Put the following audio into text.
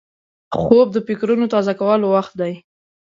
خوب د فکرونو تازه کولو وخت دی